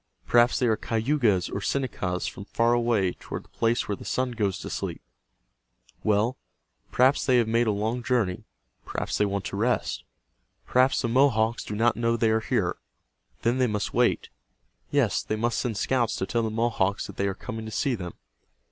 Perhaps they are Cayugas or Senecas from far away toward the place Where The Sun Goes To Sleep. Well, perhaps they have made a long journey. Perhaps they want to rest. Perhaps the Mohawks do not know they are here. Then they must wait. Yes, they must send scouts to tell the Mohawks that they are coming to see them.